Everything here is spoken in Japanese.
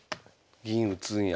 銀打つんや。